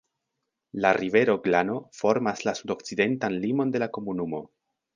La rivero Glano formas la sudokcidentan limon de la komunumo.